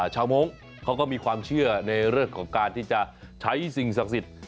มงค์เขาก็มีความเชื่อในเรื่องของการที่จะใช้สิ่งศักดิ์สิทธิ์